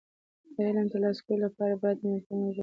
د علم د ترلاسه کولو لپاره باید په مورنۍ ژبه پوه شو.